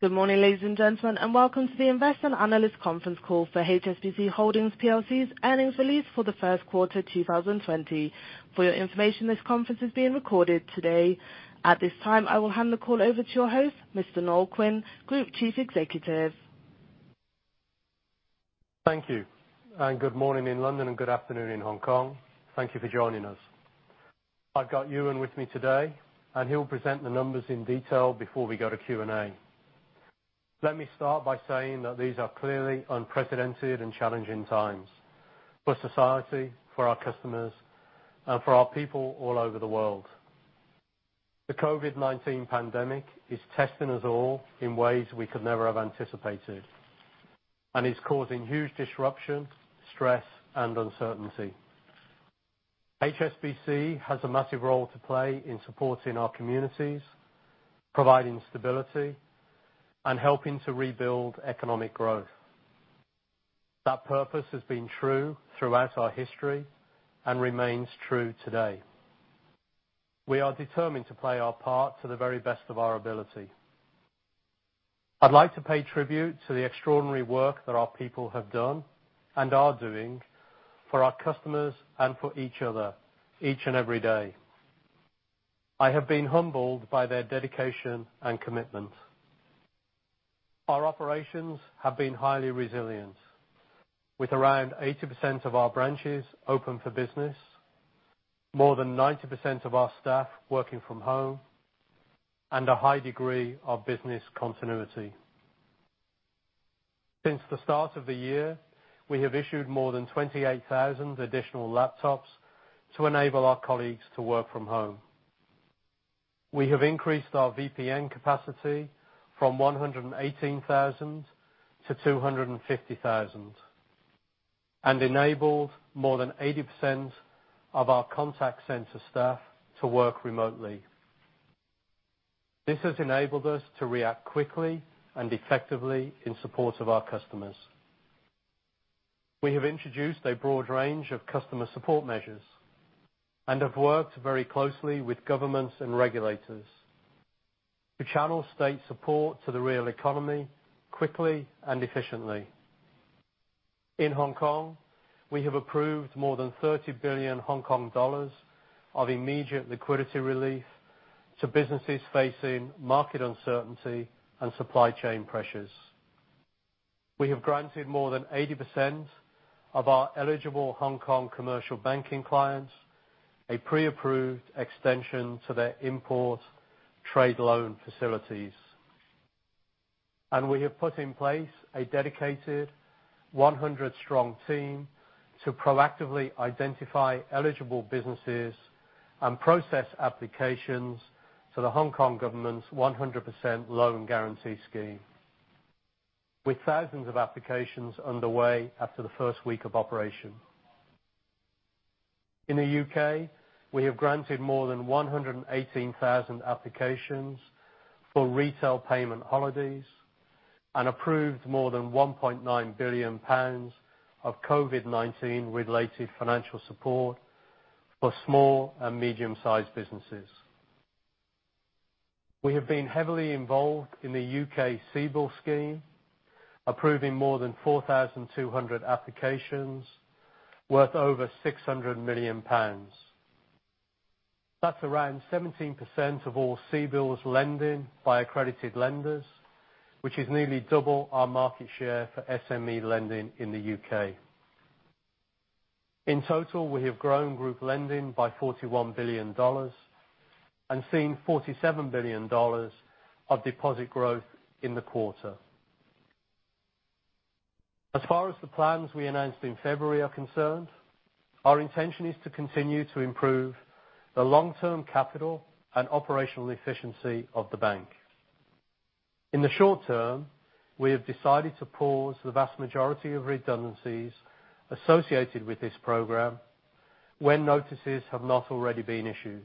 Good morning, ladies and gentlemen, and welcome to the investor and analyst conference call for HSBC Holdings plc earnings release for the first quarter 2020. For your information, this conference is being recorded today. At this time, I will hand the call over to your host, Mr. Noel Quinn, Group Chief Executive. Thank you. Good morning in London and good afternoon in Hong Kong. Thank you for joining us. I've got Ewen with me today, and he'll present the numbers in detail before we go to Q&A. Let me start by saying that these are clearly unprecedented and challenging times for society, for our customers, and for our people all over the world. The COVID-19 pandemic is testing us all in ways we could never have anticipated and is causing huge disruption, stress, and uncertainty. HSBC has a massive role to play in supporting our communities, providing stability, and helping to rebuild economic growth. That purpose has been true throughout our history and remains true today. We are determined to play our part to the very best of our ability. I'd like to pay tribute to the extraordinary work that our people have done and are doing for our customers and for each other each and every day. I have been humbled by their dedication and commitment. Our operations have been highly resilient. With around 80% of our branches open for business, more than 90% of our staff working from home, and a high degree of business continuity. Since the start of the year, we have issued more than 28,000 additional laptops to enable our colleagues to work from home. We have increased our VPN capacity from 118,000-250,000 and enabled more than 80% of our contact center staff to work remotely. This has enabled us to react quickly and effectively in support of our customers. We have introduced a broad range of customer support measures and have worked very closely with governments and regulators to channel state support to the real economy quickly and efficiently. In Hong Kong, we have approved more than 30 billion Hong Kong dollars of immediate liquidity relief to businesses facing market uncertainty and supply chain pressures. We have granted more than 80% of our eligible Hong Kong Commercial Banking clients a pre-approved extension to their import trade loan facilities. We have put in place a dedicated 100-strong team to proactively identify eligible businesses and process applications for the Hong Kong government's 100% loan guarantee scheme, with thousands of applications underway after the first week of operation. In the U.K., we have granted more than 118,000 applications for retail payment holidays and approved more than 1.9 billion pounds of COVID-19-related financial support for small and medium-sized businesses. We have been heavily involved in the U.K. CBILS scheme, approving more than 4,200 applications worth over 600 million pounds. That's around 17% of all CBILS lending by accredited lenders, which is nearly double our market share for SME lending in the U.K. In total, we have grown group lending by $41 billion and seen $47 billion of deposit growth in the quarter. As far as the plans we announced in February are concerned, our intention is to continue to improve the long-term capital and operational efficiency of the bank. In the short term, we have decided to pause the vast majority of redundancies associated with this program when notices have not already been issued.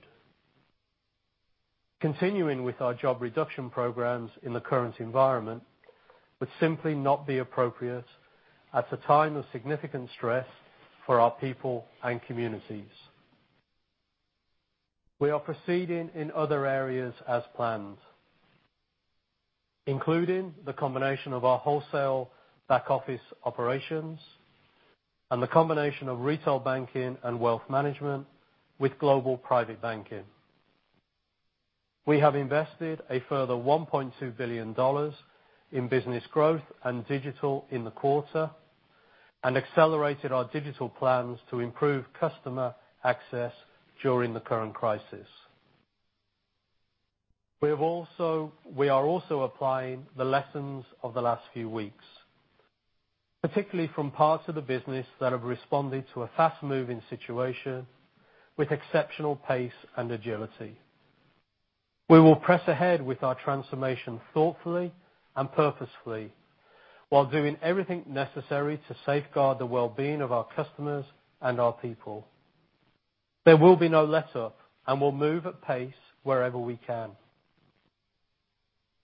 Continuing with our job reduction programs in the current environment would simply not be appropriate at a time of significant stress for our people and communities. We are proceeding in other areas as planned, including the combination of our wholesale back-office operations and the combination of Retail Banking and Wealth Management with Global Private Banking. We have invested a further $1.2 billion in business growth and digital in the quarter and accelerated our digital plans to improve customer access during the current crisis. We are also applying the lessons of the last few weeks, particularly from parts of the business that have responded to a fast-moving situation with exceptional pace and agility. We will press ahead with our transformation thoughtfully and purposefully while doing everything necessary to safeguard the well-being of our customers and our people. There will be no letup, and we'll move at pace wherever we can.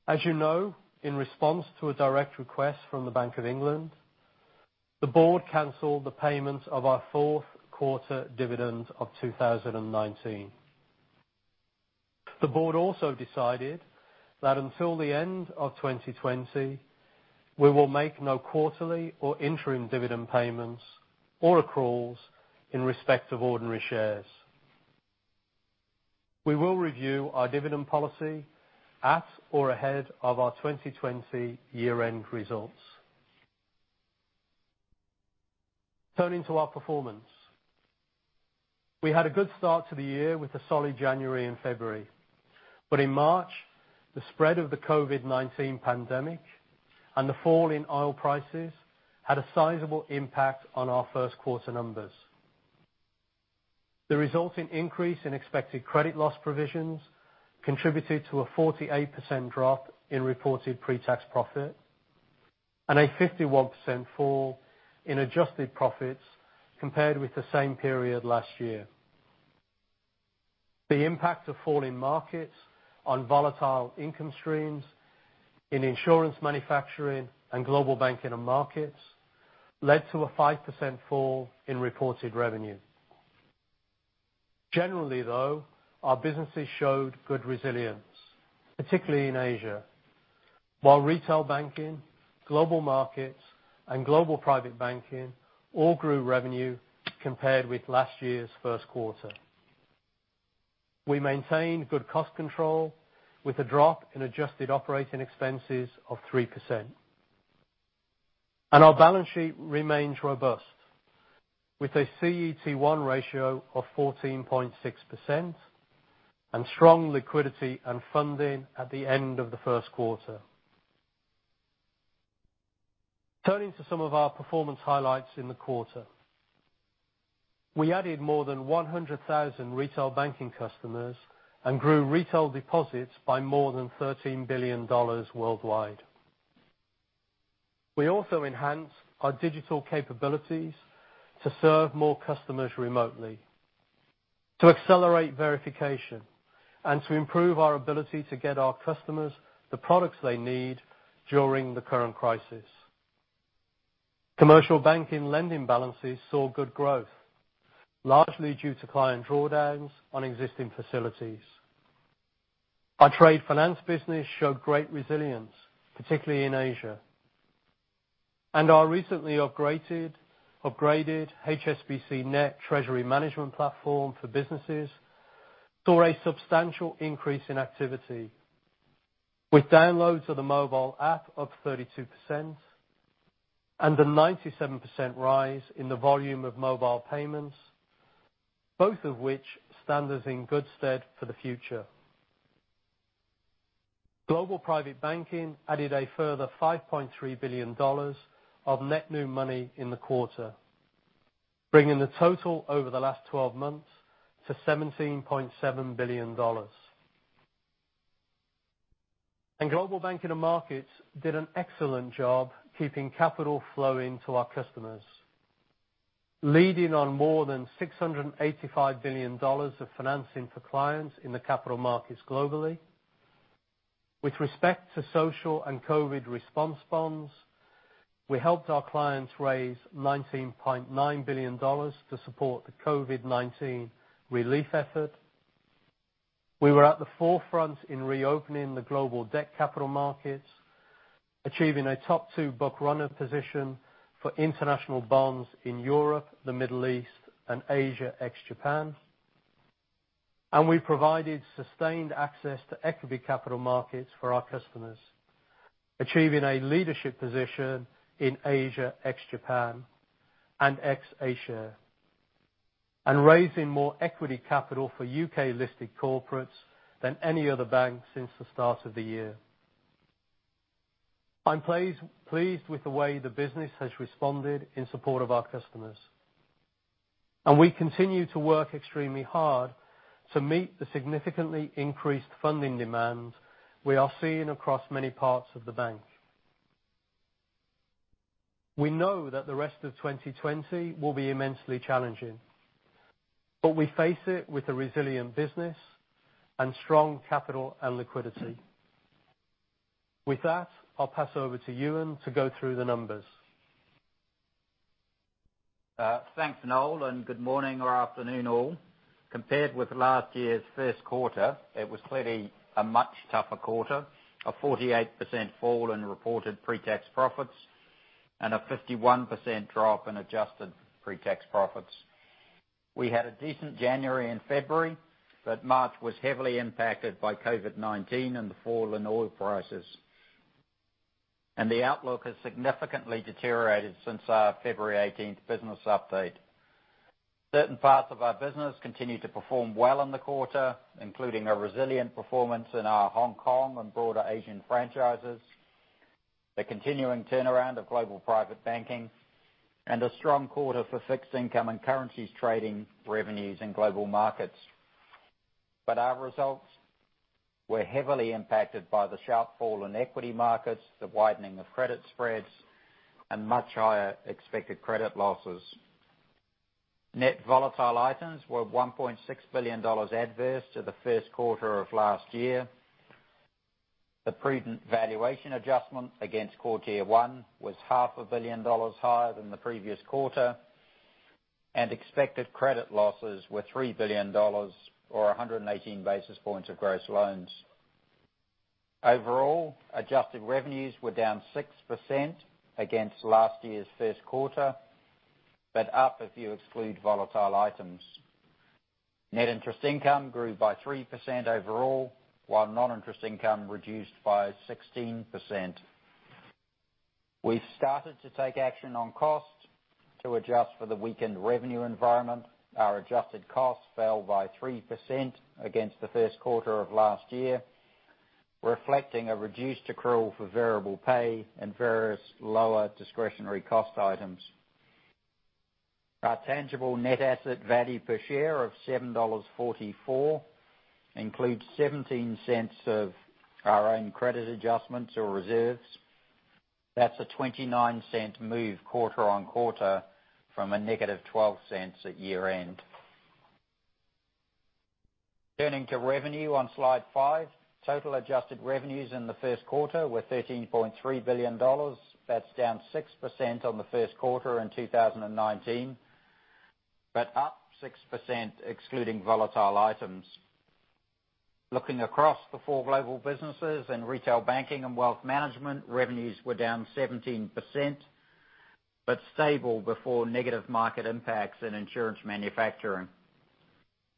As you know, in response to a direct request from the Bank of England, the board canceled the payment of our fourth quarter dividend of 2019. The board also decided that until the end of 2020, we will make no quarterly or interim dividend payments or accruals in respect of ordinary shares. We will review our dividend policy at or ahead of our 2020 year-end results. Turning to our performance. We had a good start to the year with a solid January and February, but in March, the spread of the COVID-19 pandemic and the fall in oil prices had a sizable impact on our first quarter numbers. The resulting increase in expected credit loss provisions contributed to a 48% drop in reported pre-tax profit and a 51% fall in adjusted profits compared with the same period last year. The impact of falling markets on volatile income streams in insurance manufacturing and Global Banking and Markets led to a 5% fall in reported revenue. Generally, our businesses showed good resilience, particularly in Asia, while Retail Banking, Global Markets, and Global Private Banking all grew revenue compared with last year's first quarter. We maintained good cost control with a drop in adjusted operating expenses of 3%. Our balance sheet remains robust, with a CET1 ratio of 14.6% and strong liquidity and funding at the end of the first quarter. Turning to some of our performance highlights in the quarter. We added more than 100,000 retail banking customers and grew retail deposits by more than $13 billion worldwide. We also enhanced our digital capabilities to serve more customers remotely, to accelerate verification, and to improve our ability to get our customers the products they need during the current crisis. Commercial Banking lending balances saw good growth, largely due to client drawdowns on existing facilities. Our trade finance business showed great resilience, particularly in Asia. Our recently upgraded HSBCnet treasury management platform for businesses saw a substantial increase in activity with downloads of the mobile app up 32% and a 97% rise in the volume of mobile payments, both of which stand us in good stead for the future. Global Private Banking added a further $5.3 billion of net new money in the quarter, bringing the total over the last 12 months to $17.7 billion. Global Banking and Markets did an excellent job keeping capital flowing to our customers, leading on more than $685 billion of financing for clients in the capital markets globally. With respect to social and COVID response bonds, we helped our clients raise $19.9 billion to support the COVID-19 relief effort. We were at the forefront in reopening the global debt capital markets, achieving a top two book runner position for international bonds in Europe, the Middle East, and Asia ex-Japan. We provided sustained access to equity capital markets for our customers, achieving a leadership position in Asia ex-Japan and ex-Asia, and raising more equity capital for U.K.-listed corporates than any other bank since the start of the year. I'm pleased with the way the business has responded in support of our customers. We continue to work extremely hard to meet the significantly increased funding demand we are seeing across many parts of the bank. We know that the rest of 2020 will be immensely challenging, but we face it with a resilient business and strong capital and liquidity. With that, I'll pass over to Ewen to go through the numbers. Thanks, Noel. Good morning or afternoon all. Compared with last year's first quarter, it was clearly a much tougher quarter. A 48% fall in reported pre-tax profits and a 51% drop in adjusted pre-tax profits. We had a decent January and February, but March was heavily impacted by COVID-19 and the fall in oil prices. The outlook has significantly deteriorated since our February 18 business update. Certain parts of our business continued to perform well in the quarter, including a resilient performance in our Hong Kong and broader Asian franchises, the continuing turnaround of Global Private Banking, and a strong quarter for fixed income and currencies trading revenues in Global Markets. Our results were heavily impacted by the sharp fall in equity markets, the widening of credit spreads, and much higher expected credit losses. Net volatile items were $1.6 billion adverse to the first quarter of last year. The prudent valuation adjustment against Core Tier 1 was $500 million higher than the previous quarter. Expected credit losses were $3 billion, or 118 basis points of gross loans. Overall, adjusted revenues were down 6% against last year's first quarter, but up if you exclude volatile items. Net interest income grew by 3% overall, while non-interest income reduced by 16%. We've started to take action on costs to adjust for the weakened revenue environment. Our adjusted costs fell by 3% against the first quarter of last year, reflecting a reduced accrual for variable pay and various lower discretionary cost items. Our tangible net asset value per share of $7.44 includes $0.17 of our own credit adjustments or reserves. That's a $0.29 move quarter-on-quarter from a negative $0.12 at year-end. Turning to revenue on slide five. Total adjusted revenues in the first quarter were $13.3 billion. That's down 6% on the first quarter in 2019, but up 6% excluding volatile items. Looking across the four global businesses, in Retail Banking and Wealth Management, revenues were down 17%, but stable before negative market impacts in insurance manufacturing.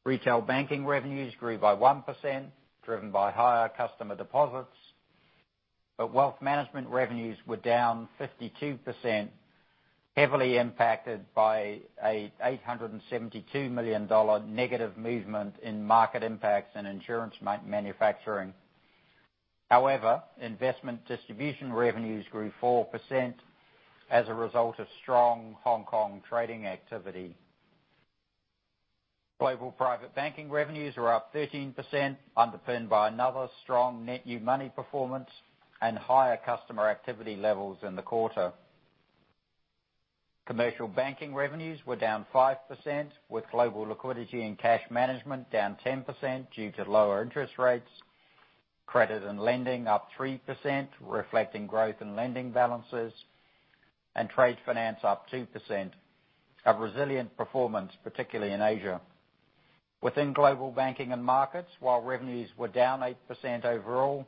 Retail Banking revenues grew by 1%, driven by higher customer deposits, but wealth management revenues were down 52%, heavily impacted by an $872 million negative movement in market impacts and insurance manufacturing. However, investment distribution revenues grew 4% as a result of strong Hong Kong trading activity. Global Private Banking revenues were up 13%, underpinned by another strong net new money performance and higher customer activity levels in the quarter. Commercial Banking revenues were down 5%, with Global Liquidity and Cash Management down 10% due to lower interest rates, credit and lending up 3%, reflecting growth in lending balances, and trade finance up 2%, a resilient performance, particularly in Asia. While revenues were down 8% overall,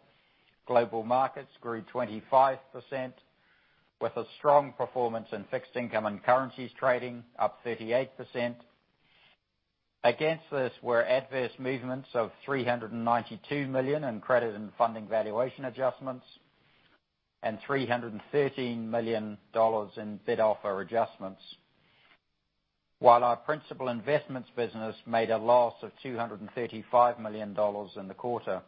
Global Markets grew 25% with a strong performance in fixed income and currencies trading, up 38%. Against this were adverse movements of $392 million in credit and funding valuation adjustments and $313 million in bid offer adjustments. While our principal investments business made a loss of $235 million in the quarter.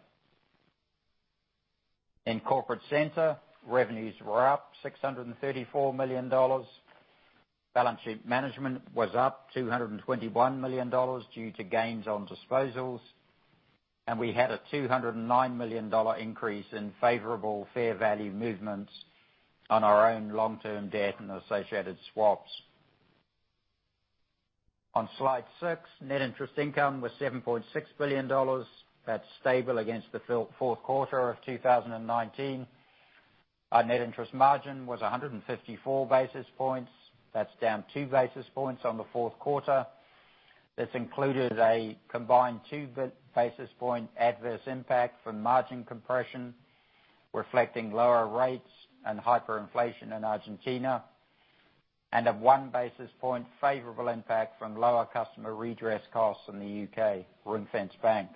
In Corporate Center, revenues were up $634 million. Balance Sheet management was up $221 million due to gains on disposals, and we had a $209 million increase in favorable fair value movements on our own long-term debt and associated swaps. On slide six, net interest income was $7.6 billion. That's stable against the fourth quarter of 2019. Our net interest margin was 154 basis points. That's down 2 basis points on the fourth quarter. This included a combined 2 basis point adverse impact from margin compression, reflecting lower rates and hyperinflation in Argentina, and a 1 basis point favorable impact from lower customer redress costs in the U.K, ring-fenced bank.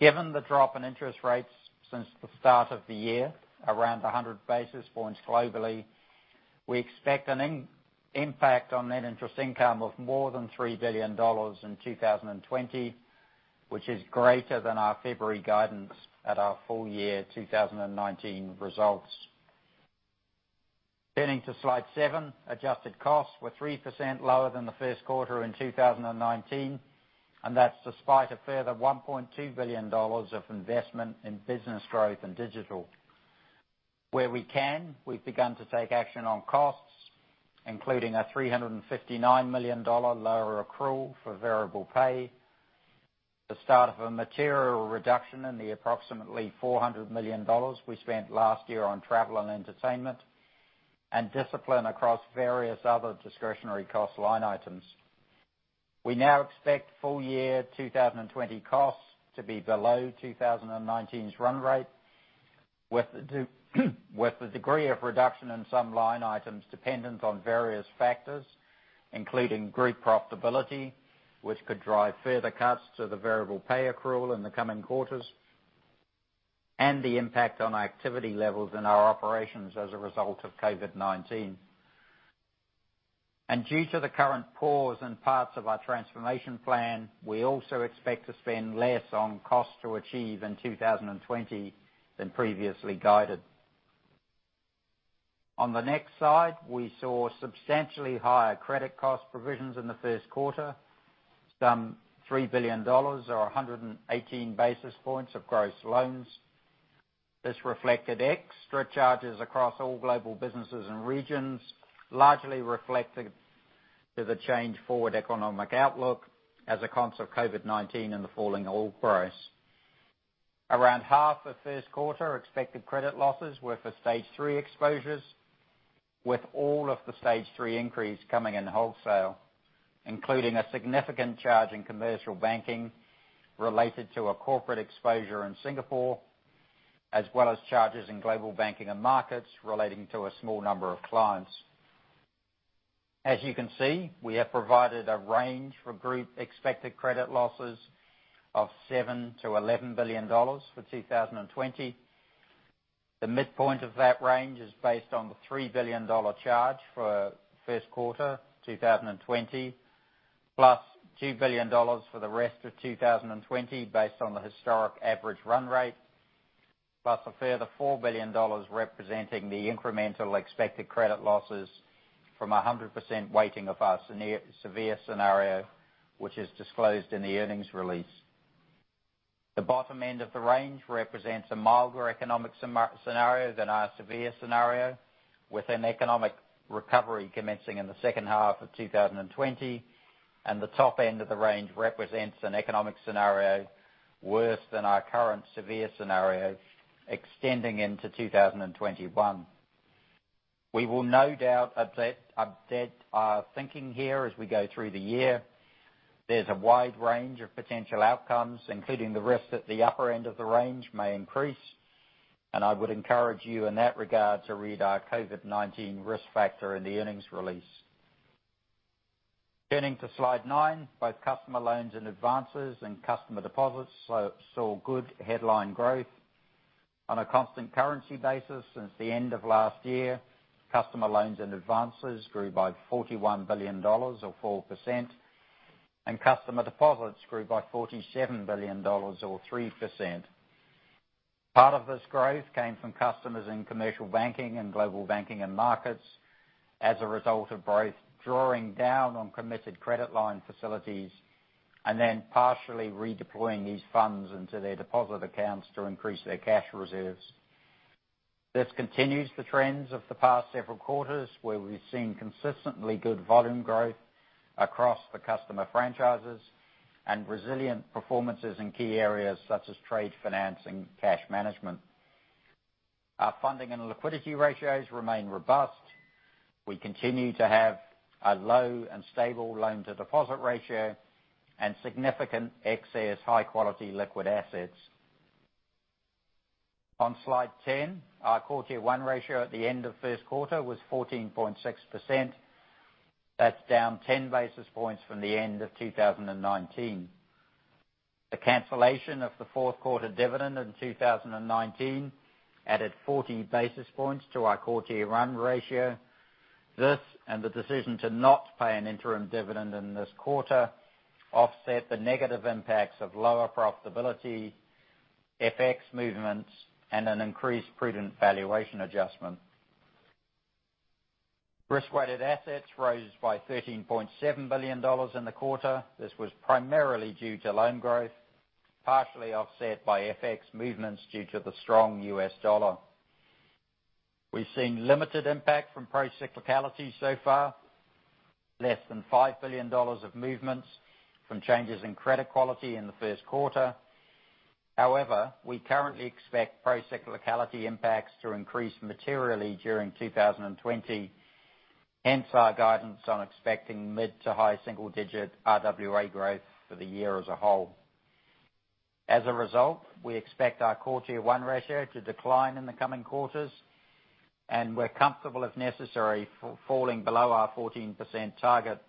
Given the drop in interest rates since the start of the year, around 100 basis points globally, we expect an impact on net interest income of more than $3 billion in 2020, which is greater than our February guidance at our full year 2019 results. Turning to slide seven, adjusted costs were 3% lower than the first quarter in 2019. That's despite a further $1.2 billion of investment in business growth and digital. Where we can, we've begun to take action on costs, including a $359 million lower accrual for variable pay, the start of a material reduction in the approximately $400 million we spent last year on travel and entertainment, and discipline across various other discretionary cost line items. We now expect full year 2020 costs to be below 2019's run rate with the degree of reduction in some line items dependent on various factors, including group profitability, which could drive further cuts to the variable pay accrual in the coming quarters, and the impact on activity levels in our operations as a result of COVID-19. Due to the current pause in parts of our transformation plan, we also expect to spend less on costs to achieve in 2020 than previously guided. On the next slide, we saw substantially higher credit cost provisions in the first quarter, some $3 billion or 118 basis points of gross loans. This reflected extra charges across all global businesses and regions, largely reflected to the change forward economic outlook as a consequence of COVID-19 and the falling oil price. Around half of first quarter expected credit losses were for stage three exposures, with all of the stage three increase coming in wholesale, including a significant charge in Commercial Banking related to a corporate exposure in Singapore, as well as charges in Global Banking and Markets relating to a small number of clients. As you can see, we have provided a range for group expected credit losses of $7 billion-$11 billion for 2020. The midpoint of that range is based on the $3 billion charge for first quarter 2020, +$2 billion for the rest of 2020 based on the historic average run rate, plus a further $4 billion representing the incremental expected credit losses from 100% weighting of our severe scenario, which is disclosed in the earnings release. The bottom end of the range represents a milder economic scenario than our severe scenario, with an economic recovery commencing in the second half of 2020, and the top end of the range represents an economic scenario worse than our current severe scenario, extending into 2021. We will no doubt update our thinking here as we go through the year. There's a wide range of potential outcomes, including the risk that the upper end of the range may increase. I would encourage you in that regard to read our COVID-19 risk factor in the earnings release. Turning to Slide nine. Both customer loans and advances and customer deposits saw good headline growth. On a constant currency basis since the end of last year, customer loans and advances grew by $41 billion or 4%, and customer deposits grew by $47 billion or 3%. Part of this growth came from customers in Commercial Banking and Global Banking and Markets as a result of both drawing down on committed credit line facilities and then partially redeploying these funds into their deposit accounts to increase their cash reserves. This continues the trends of the past several quarters, where we've seen consistently good volume growth across the customer franchises and resilient performances in key areas such as trade financing, cash management. Our funding and liquidity ratios remain robust. We continue to have a low and stable loan-to-deposit ratio and significant excess high-quality liquid assets. On slide 10, our Core Tier 1 ratio at the end of first quarter was 14.6%. That's down 10 basis points from the end of 2019. The cancellation of the fourth quarter dividend in 2019 added 40 basis points to our Core Tier 1 ratio. This and the decision to not pay an interim dividend in this quarter offset the negative impacts of lower profitability, FX movements, and an increased prudent valuation adjustment. Risk-weighted assets rose by $13.7 billion in the quarter. This was primarily due to loan growth, partially offset by FX movements due to the strong US dollar. We've seen limited impact from procyclicality so far. Less than $5 billion of movements from changes in credit quality in the first quarter. However, we currently expect procyclicality impacts to increase materially during 2020, hence our guidance on expecting mid to high single digit RWA growth for the year as a whole. As a result, we expect our Core Tier 1 ratio to decline in the coming quarters, and we're comfortable if necessary, falling below our 14% target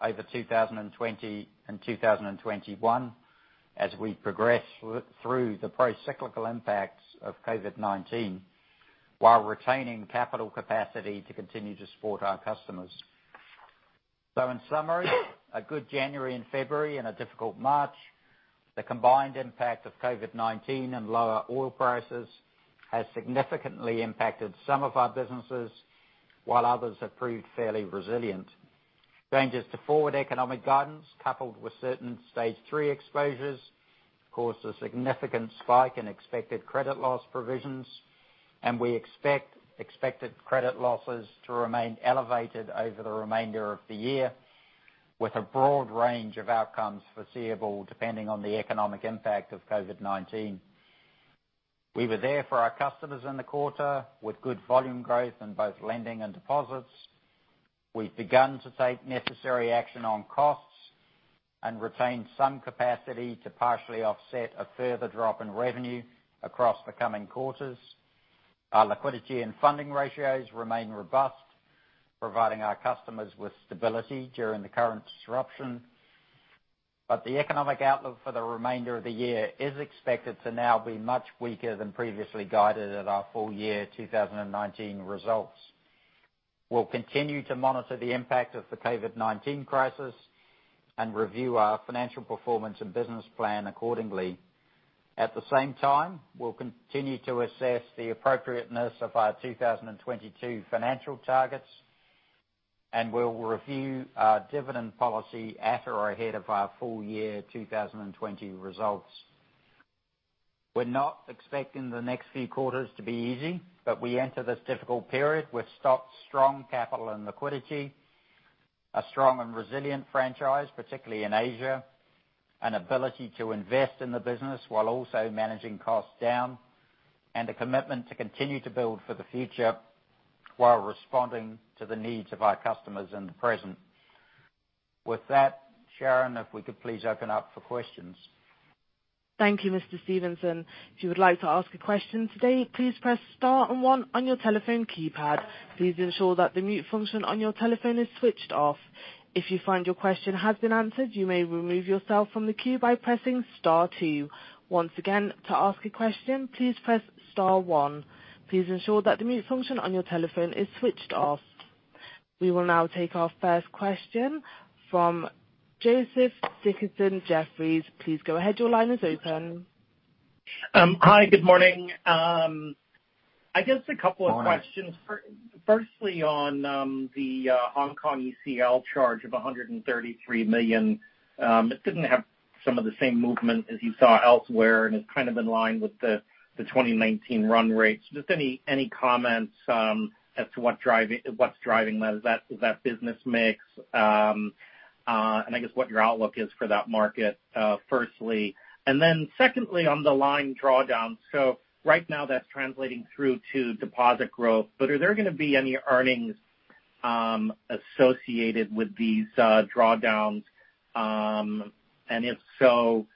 over 2020 and 2021 as we progress through the procyclical impacts of COVID-19, while retaining capital capacity to continue to support our customers. In summary, a good January and February and a difficult March. The combined impact of COVID-19 and lower oil prices has significantly impacted some of our businesses, while others have proved fairly resilient. Changes to forward economic guidance, coupled with certain stage three exposures, caused a significant spike in expected credit loss provisions. We expect expected credit losses to remain elevated over the remainder of the year with a broad range of outcomes foreseeable depending on the economic impact of COVID-19. We were there for our customers in the quarter with good volume growth in both lending and deposits. We've begun to take necessary action on costs and retain some capacity to partially offset a further drop in revenue across the coming quarters. Our liquidity and funding ratios remain robust, providing our customers with stability during the current disruption. The economic outlook for the remainder of the year is expected to now be much weaker than previously guided at our full year 2019 results. We'll continue to monitor the impact of the COVID-19 crisis and review our financial performance and business plan accordingly. At the same time, we'll continue to assess the appropriateness of our 2022 financial targets. We'll review our dividend policy at or ahead of our full year 2020 results. We're not expecting the next few quarters to be easy, but we enter this difficult period with strong capital and liquidity, a strong and resilient franchise, particularly in Asia, an ability to invest in the business while also managing costs down, and a commitment to continue to build for the future while responding to the needs of our customers in the present. With that, Sharon, if we could please open up for questions. Thank you, Mr. Stevenson. If you would like to ask a question today, please press star and one on your telephone keypad. Please ensure that the mute function on your telephone is switched off. If you find your question has been answered, you may remove yourself from the queue by pressing star two. Once again, to ask a question, please press star one. Please ensure that the mute function on your telephone is switched off. We will now take our first question from Joseph Dickerson, Jefferies. Please go ahead. Your line is open. Hi, good morning. I guess a couple of questions. Morning. Firstly, on the Hong Kong ECL charge of $133 million. It didn't have some of the same movement as you saw elsewhere, and it's kind of in line with the 2019 run rates. Just any comments as to what's driving that? Is that business mix? I guess what your outlook is for that market, firstly. Then secondly, on the line drawdowns. Right now that's translating through to deposit growth, but are there going to be any earnings associated with these drawdowns? If so,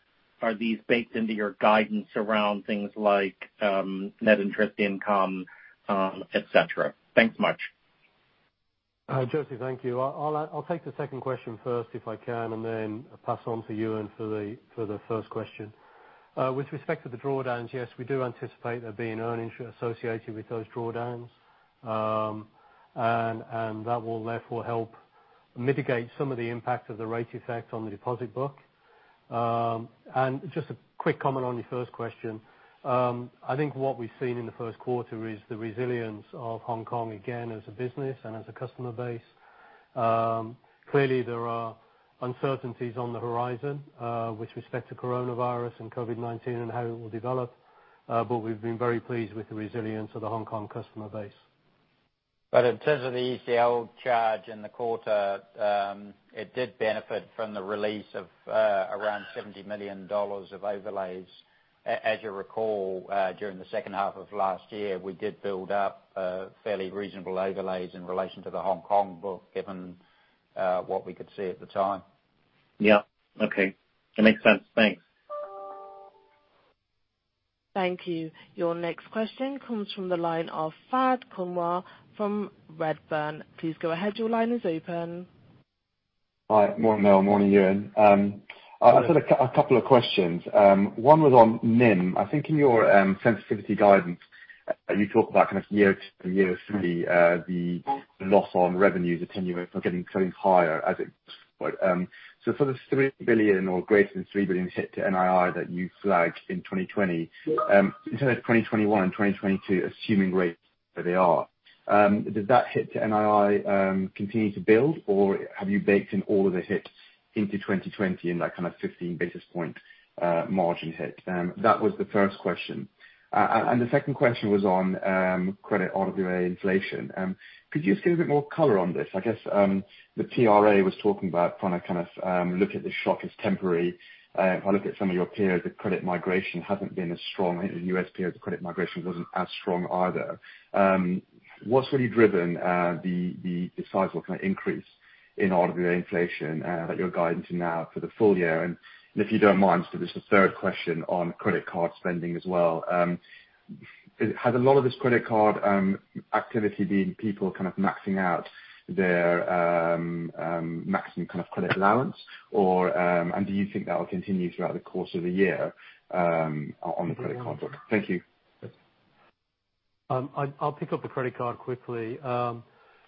are these baked into your guidance around things like net interest income, et cetera? Thanks much. Joseph, thank you. I'll take the second question first if I can, and then pass on to Ewen for the first question. With respect to the drawdowns, yes, we do anticipate there being earnings associated with those drawdowns. That will therefore help mitigate some of the impact of the rate effect on the deposit book. Just a quick comment on your first question. I think what we've seen in the first quarter is the resilience of Hong Kong, again, as a business and as a customer base. Clearly, there are uncertainties on the horizon, with respect to coronavirus and COVID-19 and how it will develop. We've been very pleased with the resilience of the Hong Kong customer base. In terms of the ECL charge in the quarter, it did benefit from the release of around $70 million of overlays. As you recall, during the second half of last year, we did build up fairly reasonable overlays in relation to the Hong Kong book, given what we could see at the time. Yeah. Okay. That makes sense. Thanks. Thank you. Your next question comes from the line of Fahed Kunwar from Redburn. Please go ahead. Your line is open. Hi. Morning, Noel. Morning, Ewen. I've just got a couple of questions. One was on NIM. I think in your sensitivity guidance, you talked about year to year the loss on revenues attenuating or getting higher as it goes forward. For the $3 billion or greater than $3 billion hit to NII that you flagged in 2020, in terms of 2021 and 2022, assuming rates stay where they are, does that hit to NII continue to build, or have you baked in all of the hits into 2020 in that kind of 15 basis point margin hit? That was the first question. The second question was on credit RWA inflation. Could you just give a bit more color on this? I guess the PRA was talking about trying to look at the shock as temporary. If I look at some of your peers, the credit migration hasn't been as strong. In the U.S. peers, the credit migration wasn't as strong either. What's really driven the sizable increase in RWA inflation that you're guiding to now for the full year? If you don't mind, just a third question on credit card spending as well. Has a lot of this credit card activity been people maxing out their maximum credit allowance? Do you think that will continue throughout the course of the year on the credit card book? Thank you. I'll pick up the credit card quickly.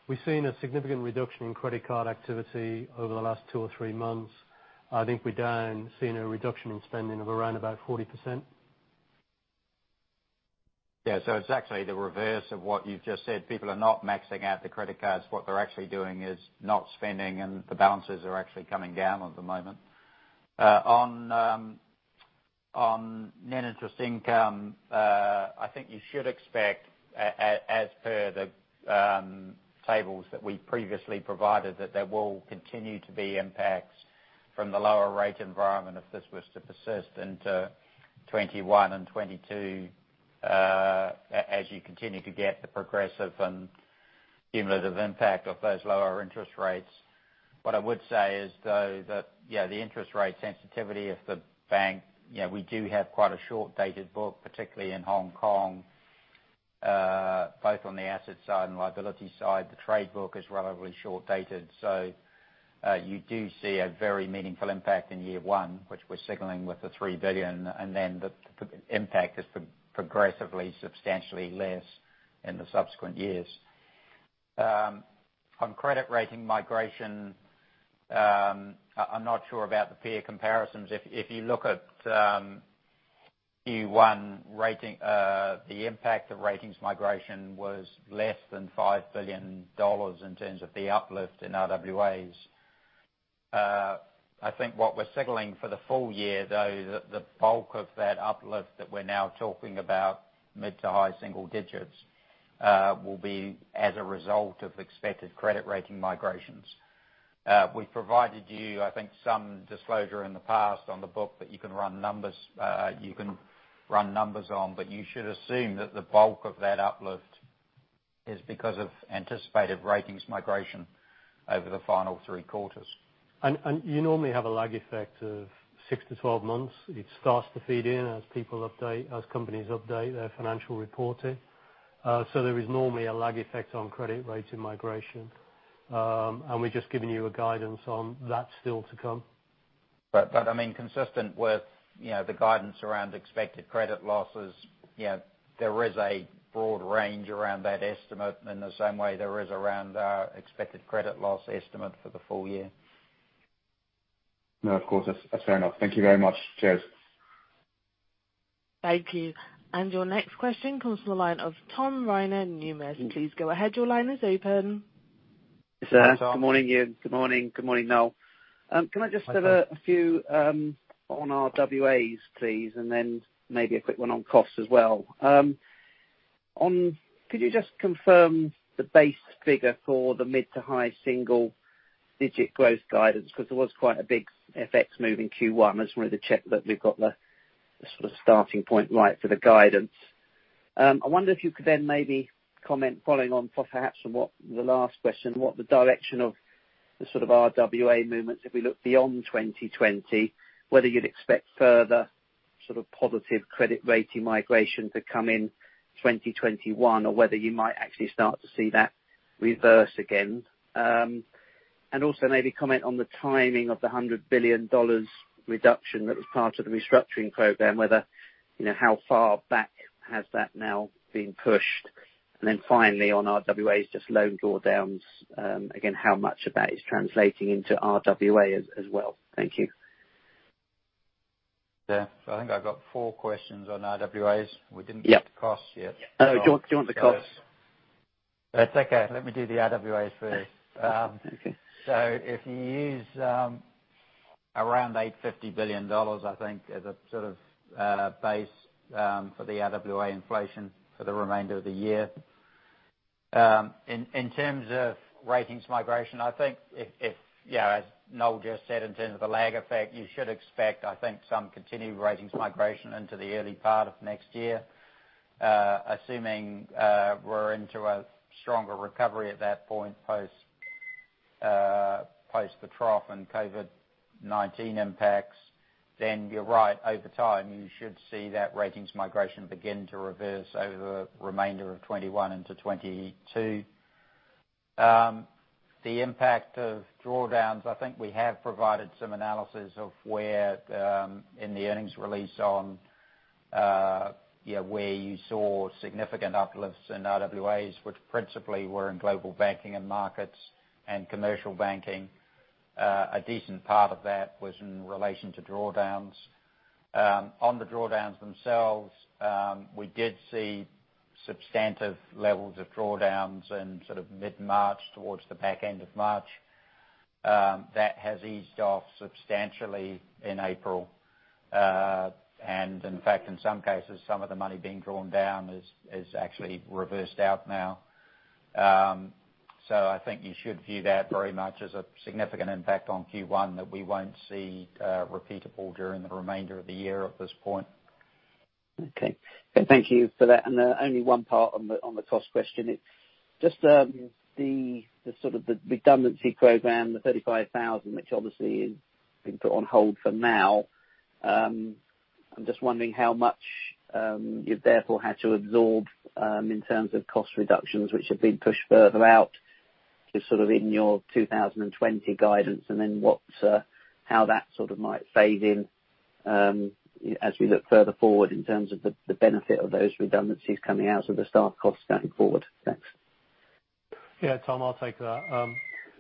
We've seen a significant reduction in credit card activity over the last two or three months. I think we're down, seeing a reduction in spending of around about 40%. It's actually the reverse of what you've just said. People are not maxing out the credit cards. What they're actually doing is not spending, and the balances are actually coming down at the moment. On net interest income, I think you should expect, as per the tables that we previously provided, that there will continue to be impacts from the lower rate environment if this was to persist into 2021 and 2022, as you continue to get the progressive and cumulative impact of those lower interest rates. What I would say is, though, that the interest rate sensitivity of the bank, we do have quite a short-dated book, particularly in Hong Kong, both on the asset side and liability side. The trade book is relatively short-dated. You do see a very meaningful impact in year one, which we're signaling with the $3 billion, and then the impact is progressively substantially less in the subsequent years. On credit rating migration, I'm not sure about the peer comparisons. If you look at Q1, the impact of ratings migration was less than $5 billion in terms of the uplift in RWA. I think what we're signaling for the full year, though, the bulk of that uplift that we're now talking about, mid to high single digits, will be as a result of expected credit rating migrations. We provided you, I think, some disclosure in the past on the book that you can run numbers on, but you should assume that the bulk of that uplift is because of anticipated ratings migration over the final three quarters. You normally have a lag effect of 6-12 months. It starts to feed in as companies update their financial reporting. There is normally a lag effect on credit rating migration. We're just giving you a guidance on that still to come. Consistent with the guidance around expected credit losses, there is a broad range around that estimate in the same way there is around our expected credit loss estimate for the full year. No, of course. That's fair enough. Thank you very much. Cheers. Thank you. Your next question comes from the line of Tom Rayner, Numis. Please go ahead. Your line is open. Yes. Good morning, Ewen. Good morning. Good morning, Noel. Hi, Tom. Can I just have a few on RWAs, please, and then maybe a quick one on costs as well. Could you just confirm the base figure for the mid to high single-digit growth guidance? There was quite a big FX move in Q1. I just wanted to check that we've got the sort of starting point right for the guidance. I wonder if you could then maybe comment, following on perhaps from the last question, what the direction of the sort of RWA movements, if we look beyond 2020, whether you'd expect further sort of positive credit rating migration to come in 2021 or whether you might actually start to see that reverse again. Also maybe comment on the timing of the $100 billion reduction that was part of the restructuring program, how far back has that now been pushed? Then finally, on RWAs, just loan drawdowns. How much of that is translating into RWA as well? Thank you. Yeah. I think I've got four questions on RWAs. We didn't get to costs yet. Yeah. Oh, do you want the costs? That's okay. Let me do the RWAs first. Okay. If you use around $850 billion, I think, as a sort of base for the RWA inflation for the remainder of the year. In terms of ratings migration, I think as Noel just said, in terms of the lag effect, you should expect, I think, some continued ratings migration into the early part of next year. Assuming we're into a stronger recovery at that point post the trough and COVID-19 impacts, then you're right. Over time, you should see that ratings migration begin to reverse over the remainder of 2021 into 2022. The impact of drawdowns, I think we have provided some analysis in the earnings release on where you saw significant uplifts in RWAs, which principally were in Global Banking and Markets and Commercial Banking. A decent part of that was in relation to drawdowns. On the drawdowns themselves, we did see substantive levels of drawdowns in mid-March towards the back end of March. That has eased off substantially in April. In fact, in some cases, some of the money being drawn down is actually reversed out now. I think you should view that very much as a significant impact on Q1 that we won't see repeatable during the remainder of the year at this point. Okay. Thank you for that. Only one part on the cost question. It's just the sort of the redundancy program, the 35,000, which obviously has been put on hold for now. I'm just wondering how much you've therefore had to absorb, in terms of cost reductions, which have been pushed further out, just sort of in your 2020 guidance, and then how that sort of might fade in as we look further forward in terms of the benefit of those redundancies coming out of the start cost going forward. Thanks. Yeah, Tom, I'll take that.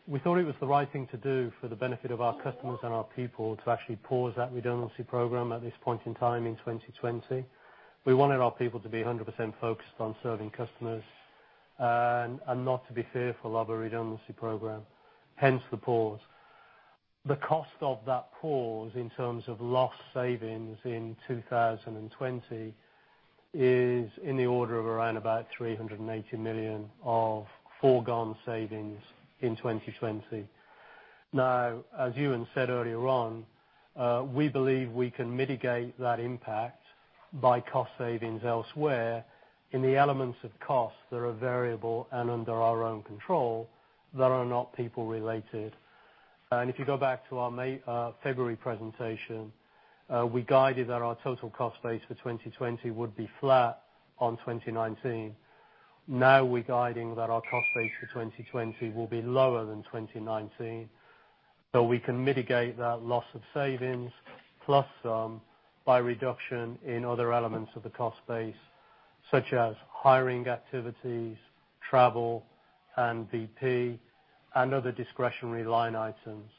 We thought it was the right thing to do for the benefit of our customers and our people to actually pause that redundancy program at this point in time in 2020. We wanted our people to be 100% focused on serving customers, and not to be fearful of a redundancy program, hence the pause. The cost of that pause in terms of lost savings in 2020 is in the order of around about $380 million of foregone savings in 2020. Now, as Ewen said earlier on, we believe we can mitigate that impact by cost savings elsewhere in the elements of costs that are variable and under our own control that are not people related. If you go back to our February presentation, we guided that our total cost base for 2020 would be flat on 2019. Now we're guiding that our cost base for 2020 will be lower than 2019. We can mitigate that loss of savings, plus by reduction in other elements of the cost base such as hiring activities, travel, and VP, and other discretionary line items.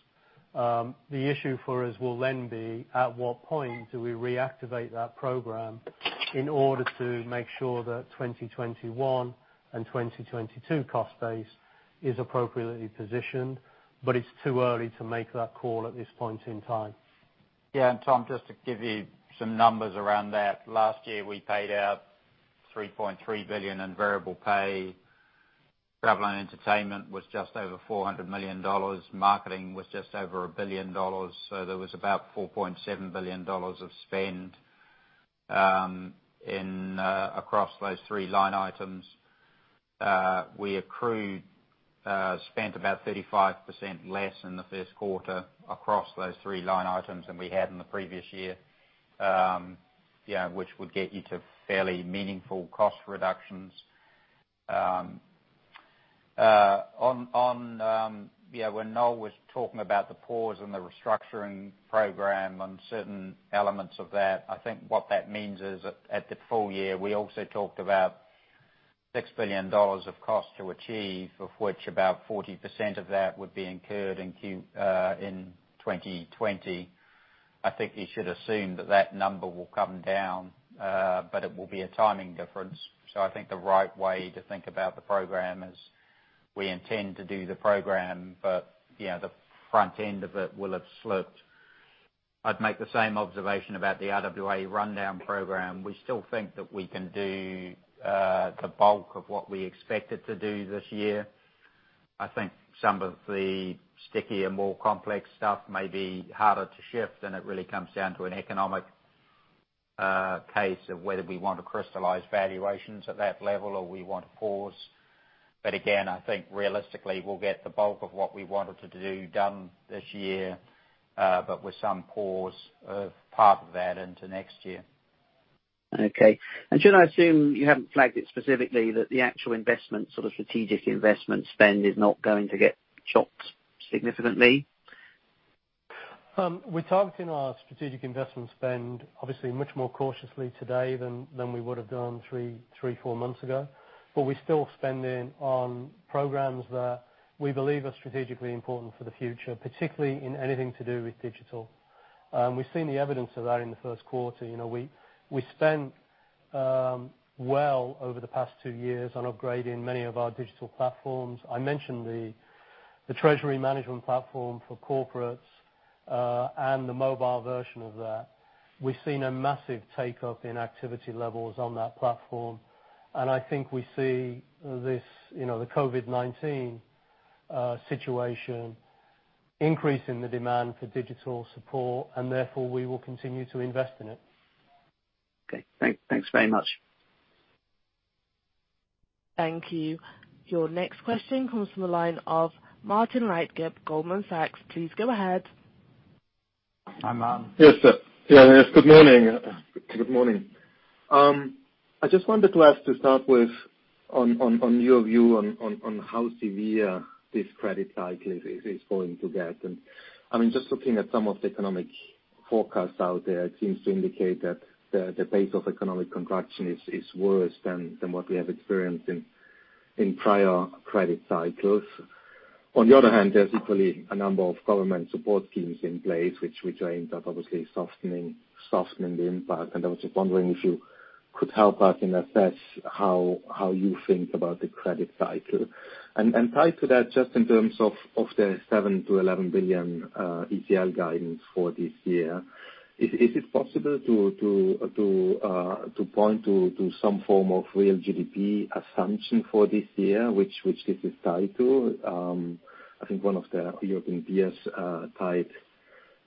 The issue for us will then be at what point do we reactivate that program in order to make sure that 2021 and 2022 cost base is appropriately positioned. It's too early to make that call at this point in time. Yeah. Tom, just to give you some numbers around that. Last year we paid out $3.3 billion in variable pay. Travel and entertainment was just over $400 million. Marketing was just over $1 billion. There was about $4.7 billion of spend across those three line items. We accrued, spent about 35% less in the first quarter across those three line items than we had in the previous year, which would get you to fairly meaningful cost reductions. When Noel was talking about the pause in the restructuring program on certain elements of that, I think what that means is at the full year we also talked about $6 billion of cost to achieve, of which about 40% of that would be incurred in 2020. I think you should assume that that number will come down, it will be a timing difference. I think the right way to think about the program is we intend to do the program, but the front end of it will have slipped. I'd make the same observation about the RWA rundown program. We still think that we can do the bulk of what we expected to do this year. I think some of the stickier, more complex stuff may be harder to shift, and it really comes down to an economic case of whether we want to crystallize valuations at that level or we want to pause. Again, I think realistically, we'll get the bulk of what we wanted to do done this year. With some pause of part of that into next year. Okay. Should I assume you haven't flagged it specifically, that the actual investment, sort of strategic investment spend is not going to get chopped significantly? We're targeting our strategic investment spend obviously much more cautiously today than we would have done three, four months ago. We're still spending on programs that we believe are strategically important for the future, particularly in anything to do with digital. We've seen the evidence of that in the first quarter. We spent well over the past two years on upgrading many of our digital platforms. I mentioned the treasury management platform for corporates, and the mobile version of that. We've seen a massive take-up in activity levels on that platform, and I think we see the COVID-19 situation increasing the demand for digital support, and therefore we will continue to invest in it. Okay. Thanks very much. Thank you. Your next question comes from the line of Martin Leitgeb, Goldman Sachs. Please go ahead. Hi, Martin. Yes. Good morning. I just wanted to ask to start with on your view on how severe this credit cycle is going to get. Just looking at some of the economic forecasts out there, it seems to indicate that the pace of economic contraction is worse than what we have experienced in prior credit cycles. On the other hand, there's equally a number of government support schemes in place, which are aimed at obviously softening the impact. I was just wondering if you could help us and assess how you think about the credit cycle. Tied to that, just in terms of the $7 billion-$11 billion ECL guidance for this year, is it possible to point to some form of real GDP assumption for this year which this is tied to? I think one of the European peers tied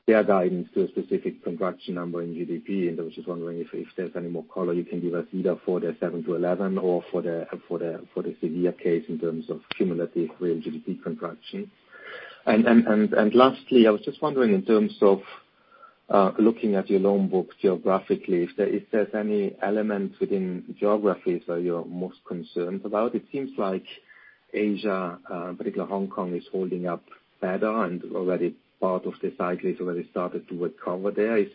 their guidance to a specific contraction number in GDP. I was just wondering if there's any more color you can give us, either for the $7 billion-$11 billion or for the severe case in terms of cumulative real GDP contraction. Lastly, I was just wondering in terms of looking at your loan book geographically, if there's any elements within geographies that you're most concerned about. It seems like Asia, particularly Hong Kong, is holding up better and already part of the cycle is already started to recover there. Is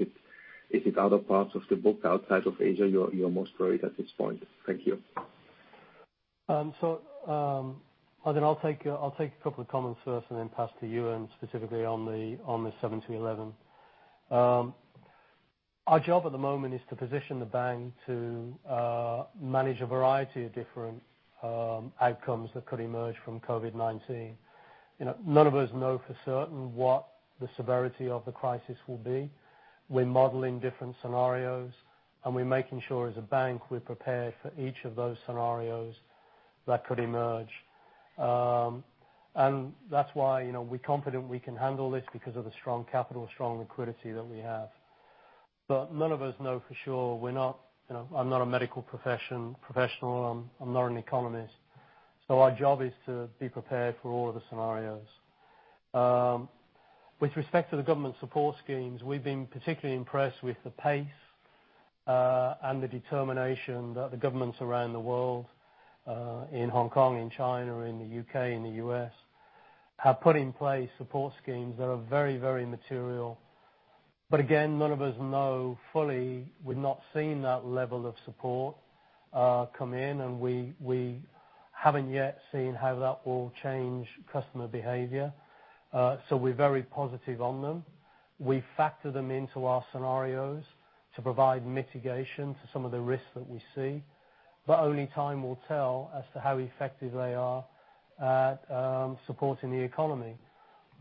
it other parts of the book outside of Asia you're most worried at this point? Thank you. Martin, I'll take a couple of comments first and then pass to Ewen specifically on the $7 billion-$11 billion. Our job at the moment is to position the bank to manage a variety of different outcomes that could emerge from COVID-19. None of us know for certain what the severity of the crisis will be. We're modeling different scenarios, and we're making sure as a bank we're prepared for each of those scenarios that could emerge. That's why we're confident we can handle this because of the strong capital, strong liquidity that we have. None of us know for sure. I'm not a medical professional. I'm not an economist. Our job is to be prepared for all of the scenarios. With respect to the government support schemes, we've been particularly impressed with the pace and the determination that the governments around the world, in Hong Kong, in China, in the U.K., in the U.S., have put in place support schemes that are very material. Again, none of us know fully. We've not seen that level of support come in, and we haven't yet seen how that will change customer behavior. We're very positive on them. We factor them into our scenarios to provide mitigation to some of the risks that we see. Only time will tell as to how effective they are at supporting the economy.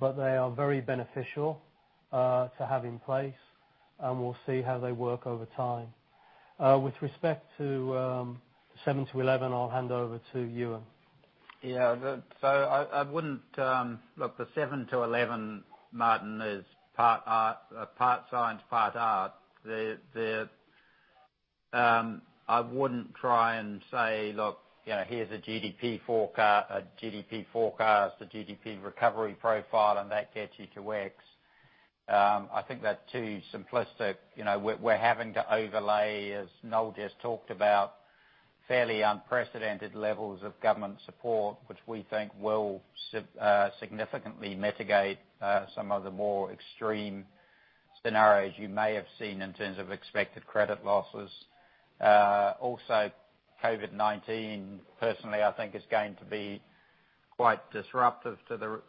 They are very beneficial to have in place, and we'll see how they work over time. With respect to $7 billion-$11 billion, I'll hand over to Ewen. Look, the $7 billion-$11 billion, Martin, is part science, part art. I wouldn't try and say, "Look, here's a GDP forecast, a GDP recovery profile, and that gets you to x." I think that's too simplistic. We're having to overlay, as Noel just talked about, fairly unprecedented levels of government support, which we think will significantly mitigate some of the more extreme scenarios you may have seen in terms of expected credit losses. COVID-19, personally, I think is going to be quite disruptive to the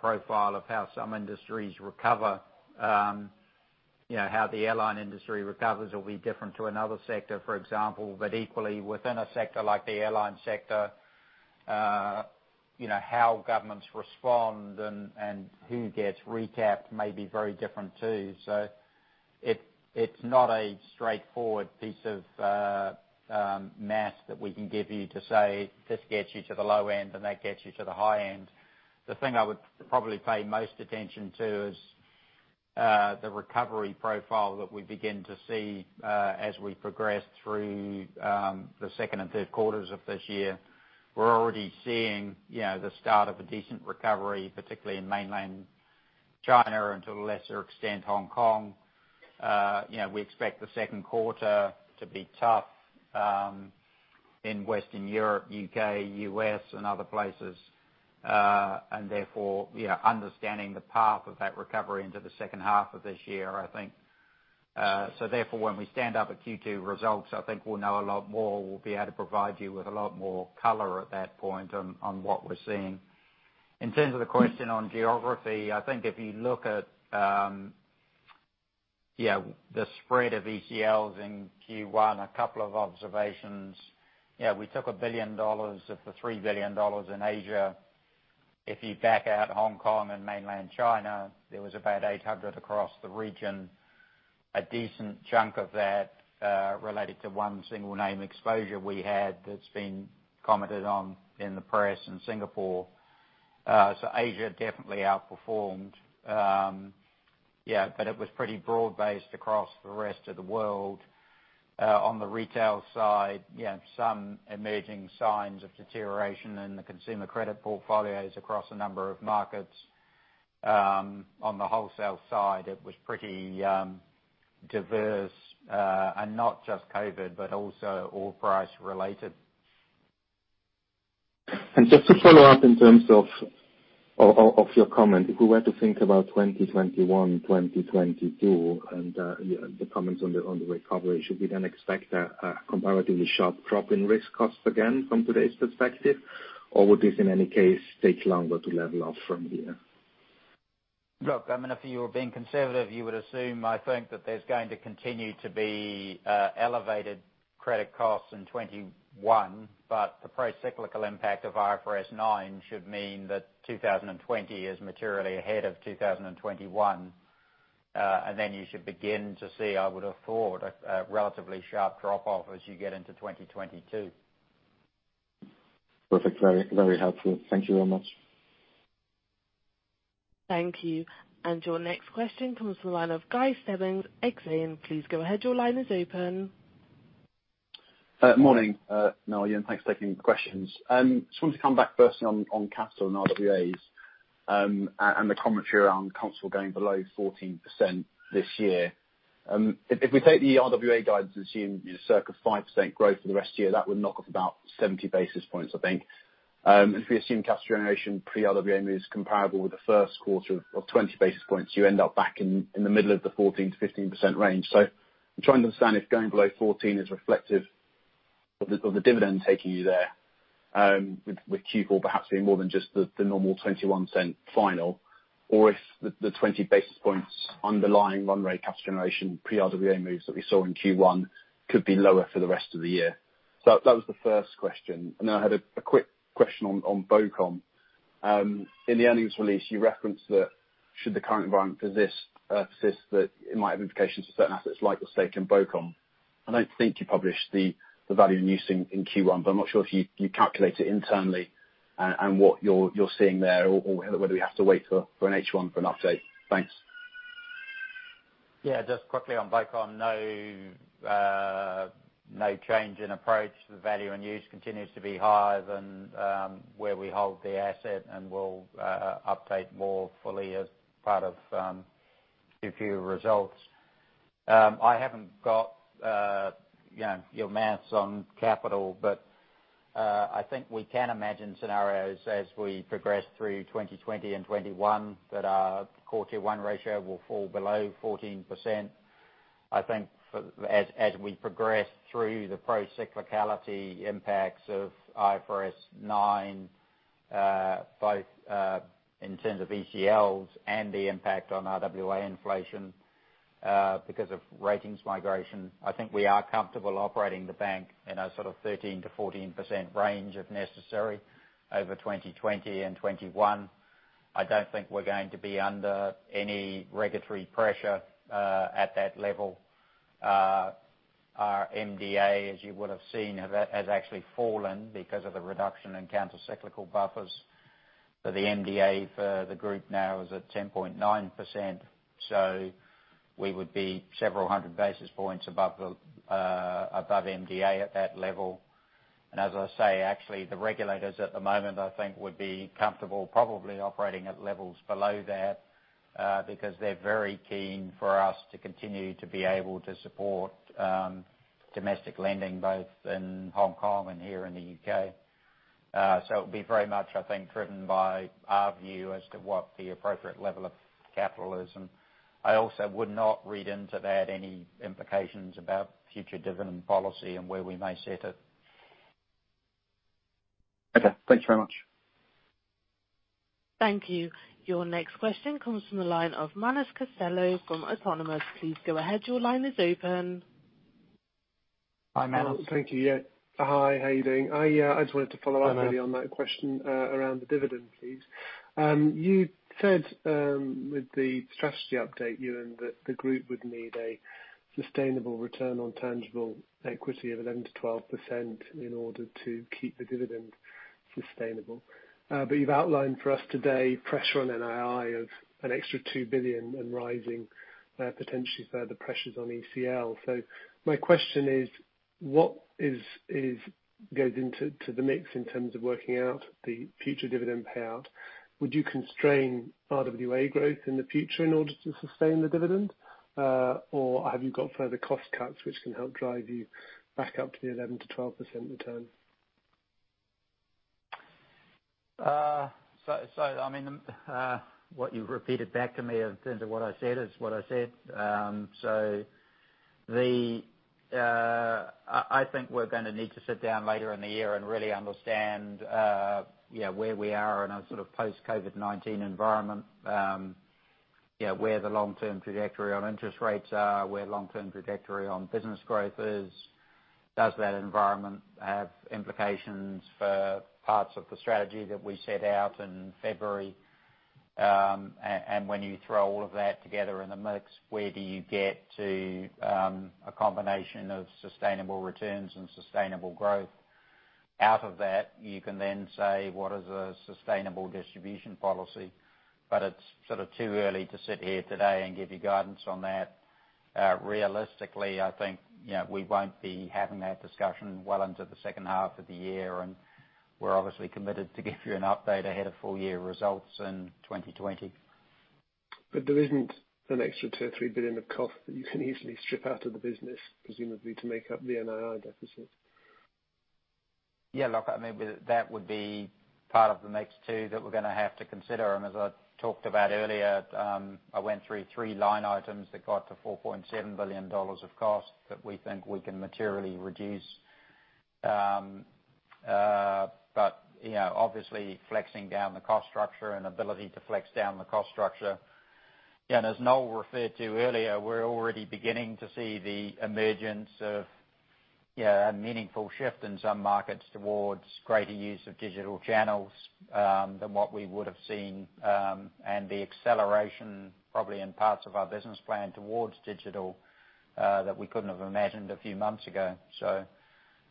profile of how some industries recover. How the airline industry recovers will be different to another sector, for example. Equally, within a sector like the airline sector, how governments respond and who gets recapped may be very different, too. It's not a straightforward piece of math that we can give you to say, this gets you to the low end, and that gets you to the high end. The thing I would probably pay most attention to is the recovery profile that we begin to see as we progress through the second and third quarters of this year. We're already seeing the start of a decent recovery, particularly in mainland China and, to a lesser extent, Hong Kong. We expect the second quarter to be tough in Western Europe, U.K., U.S., and other places. Therefore, understanding the path of that recovery into the second half of this year, I think. Therefore, when we stand up at Q2 results, I think we'll know a lot more. We'll be able to provide you with a lot more color at that point on what we're seeing. In terms of the question on geography, I think if you look at the spread of ECLs in Q1, a couple of observations. We took $1 billion of the $3 billion in Asia. If you back out Hong Kong and mainland China, there was about $800 across the region. A decent chunk of that related to one single name exposure we had that's been commented on in the press in Singapore. Asia definitely outperformed. It was pretty broad-based across the rest of the world. On the retail side, some emerging signs of deterioration in the consumer credit portfolios across a number of markets. On the wholesale side, it was pretty diverse. Not just COVID, but also oil price related. Just to follow up in terms of your comment, if we were to think about 2021, 2022, and the comments on the recovery, should we then expect a comparatively sharp drop in risk costs again from today's perspective? Or would this, in any case, take longer to level off from here? Look, if you were being conservative, you would assume, I think, that there's going to continue to be elevated credit costs in 2021. The pro-cyclical impact of IFRS 9 should mean that 2020 is materially ahead of 2021. You should begin to see, I would afford, a relatively sharp drop-off as you get into 2022. Perfect. Very helpful. Thank you very much. Thank you. Your next question comes from the line of Guy Stebbings, Exane. Please go ahead. Your line is open. Morning, Noel, Ewen. Thanks for taking the questions. Just wanted to come back first on capital and RWAs, and the commentary around capital going below 14% this year. If we take the RWA guidance and assume circa 5% growth for the rest of the year, that would knock off about 70 basis points, I think. If we assume cash generation pre-RWA is comparable with the first quarter of 20 basis points, you end up back in the middle of the 14%-15% range. I'm trying to understand if going below 14% is reflective of the dividend taking you there, with Q4 perhaps being more than just the normal $0.21 final, or if the 20 basis points underlying run rate cash generation pre-RWA moves that we saw in Q1 could be lower for the rest of the year. That was the first question. I had a quick question on BoCom. In the earnings release, you referenced that should the current environment persist, that it might have implications for certain assets like your stake in BoCom. I don't think you published the value in use in Q1, but I'm not sure if you calculate it internally and what you're seeing there, or whether we have to wait for an H1 for an update. Thanks. Yeah. Just quickly on BoCom. No change in approach. The value in use continues to be higher than where we hold the asset, and we'll update more fully as part of Q2 results. I haven't got your math on capital, but I think we can imagine scenarios as we progress through 2020 and 2021 that our Core Tier 1 ratio will fall below 14%. I think as we progress through the pro-cyclicality impacts of IFRS 9, both in terms of ECLs and the impact on RWA inflation because of ratings migration. I think we are comfortable operating the bank in a sort of 13%-14% range if necessary over 2020 and 2021. I don't think we're going to be under any regulatory pressure at that level. Our MDA, as you would've seen, has actually fallen because of the reduction in countercyclical buffers, so the MDA for the group now is at 10.9%. We would be several hundred basis points above MDA at that level. As I say, actually, the regulators at the moment, I think, would be comfortable probably operating at levels below that, because they're very keen for us to continue to be able to support domestic lending, both in Hong Kong and here in the U.K. It'll be very much, I think, driven by our view as to what the appropriate level of capital is. I also would not read into that any implications about future dividend policy and where we may set it. Okay, thanks very much. Thank you. Your next question comes from the line of Manus Costello from Autonomous. Please go ahead. Your line is open. Hi, Manus. Thank you. Yeah. Hi, how are you doing? Hi, Manus. I just wanted to follow up on that question around the dividend, please. You said with the strategy update, Ewen, that the group would need a sustainable return on tangible equity of 11%-12% in order to keep the dividend sustainable. You've outlined for us today pressure on NII of an extra $2 billion and rising, potentially further pressures on ECL. My question is, What goes into the mix in terms of working out the future dividend payout? Would you constrain RWA growth in the future in order to sustain the dividend? Have you got further cost cuts which can help drive you back up to the 11%-12% return? What you've repeated back to me in terms of what I said is what I said. I think we're going to need to sit down later in the year and really understand where we are in a post-COVID-19 environment. Where the long-term trajectory on interest rates are, where long-term trajectory on business growth is. Does that environment have implications for parts of the strategy that we set out in February? When you throw all of that together in the mix, where do you get to a combination of sustainable returns and sustainable growth? Out of that, you can then say, what is a sustainable distribution policy? It's too early to sit here today and give you guidance on that. Realistically, I think we won't be having that discussion well into the second half of the year, and we're obviously committed to give you an update ahead of full year results in 2020. There isn't an extra $2 billion or $3 billion of cost that you can easily strip out of the business, presumably to make up the NII deficit. Yeah, look, maybe that would be part of the mix too, that we're going to have to consider. As I talked about earlier, I went through three line items that got to $4.7 billion of cost that we think we can materially reduce. Obviously flexing down the cost structure and ability to flex down the cost structure. As Noel referred to earlier, we're already beginning to see the emergence of a meaningful shift in some markets towards greater use of digital channels than what we would've seen. The acceleration probably in parts of our business plan towards digital, that we couldn't have imagined a few months ago.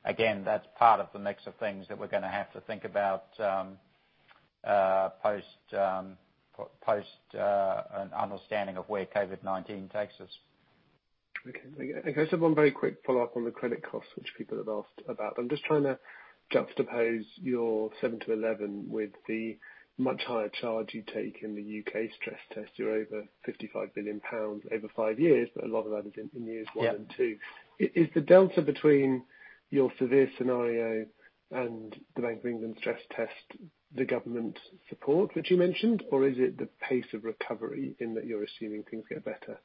Again, that's part of the mix of things that we're going to have to think about post an understanding of where COVID-19 takes us. Okay. Can I just have one very quick follow-up on the credit costs, which people have asked about? I'm just trying to juxtapose your $7 billion-$11 billion with the much higher charge you take in the U.K. stress test. You're over 55 billion pounds over five years, but a lot of that is in years one and two. Yeah. Is the delta between your severe scenario and the Bank of England stress test the government support that you mentioned, or is it the pace of recovery in that you're assuming things get better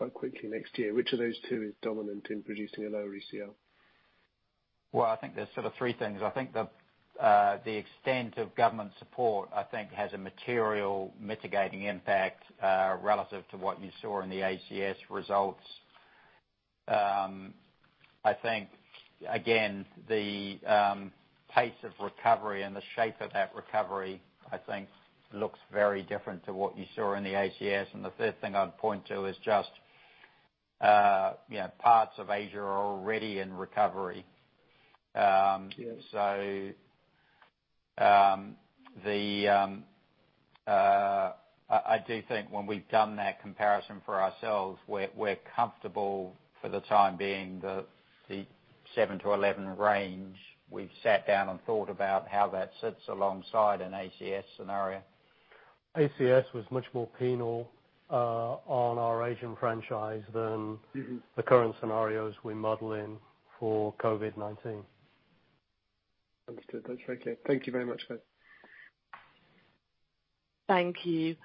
quite quickly next year? Which of those two is dominant in producing a lower ECL? Well, I think there's three things. I think the extent of government support, I think has a material mitigating impact relative to what you saw in the ACS results. I think, again, the pace of recovery and the shape of that recovery, I think looks very different to what you saw in the ACS. The third thing I'd point to is just parts of Asia are already in recovery. Yes. I do think when we've done that comparison for ourselves, we're comfortable for the time being that the $7 billion-$11 billion range. We've sat down and thought about how that sits alongside an ACS scenario. ACS was much more penal on our Asian franchise than the current scenarios we model in for COVID-19. Understood. That's very clear. Thank you very much, guys. Thank you.